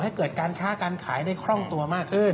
ให้เกิดการค้าการขายได้คล่องตัวมากขึ้น